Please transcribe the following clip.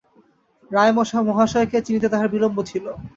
রায় মহাশয়কে চিনিতে তাহার বিলম্ব ছিল।